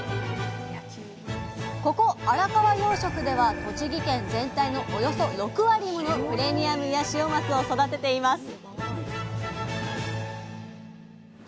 ここ荒川養殖では栃木県全体のおよそ６割ものプレミアムヤシオマスを育てています